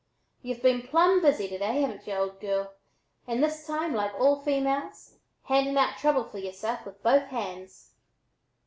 y'u've been plumb busy to day, hav'n't y'u, old girl, and this time, like all females, handing out trouble for yereself with both hands."